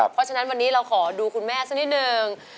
เพราะฉะนั้นวันนี้เราขอดูคุณแม่สักนิดนึง